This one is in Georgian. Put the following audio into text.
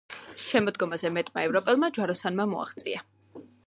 შემოდგომაზე მეტმა ევროპელმა ჯვაროსანმა მოაღწია.